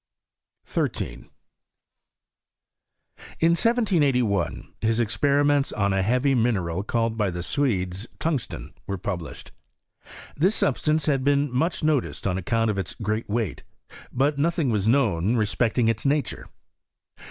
13. In 1781 his experiments on a heavy mineral called by the Swedes tungsten, were published. This substance had been much noticed on account of its great weight ; but nothing was known respect ing its nature.